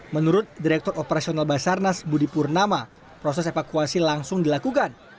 menurut direktur operasional basarnas budi purnama proses evakuasi langsung dilakukan